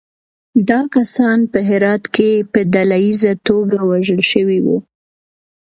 دا کسان په هرات کې په ډلییزه توګه وژل شوي وو.